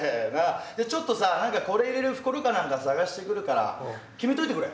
じゃあちょっとさ何かこれ入れる袋か何か探してくるから決めといてくれ。